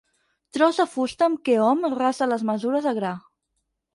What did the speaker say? Tros de fusta amb què hom rasa les mesures de gra.